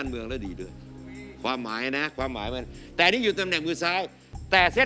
มือขวาตำแหน่งมือขวา